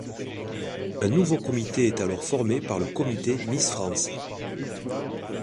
Un nouveau comité est alors formé par le comité Miss France.